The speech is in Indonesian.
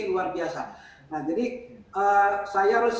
ya profesor profesor dari pergelangan tinggi